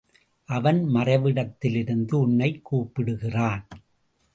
அவன் மறைவிடத்திலிருந்து உன்னைக் கூப்பிடுகிறான்.